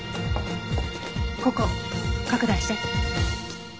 ここ拡大して。